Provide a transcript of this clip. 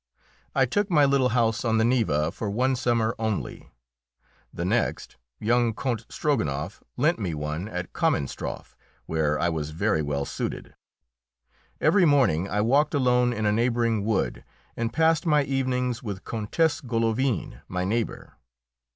I took my little house on the Neva for one summer only. The next, young Count Strogonoff lent me one at Kaminstroff, where I was very well suited. Every morning I walked alone in a neighbouring wood and passed my evenings with Countess Golovin, my neighbour.